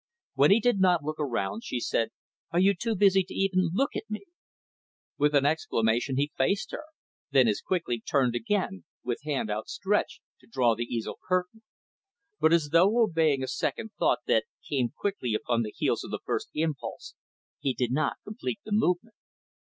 When he did not look around, she said, "Are you too busy to even look at me?" With an exclamation, he faced her; then, as quickly, turned again; with hand outstretched to draw the easel curtain. But, as though obeying a second thought that came quickly upon the heels of the first impulse, he did not complete the movement.